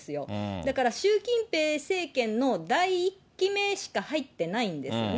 だから、習近平政権の第１期目しか入ってないんですよね。